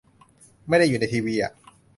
ไม่ได้อยู่ในทีวีอ่ะ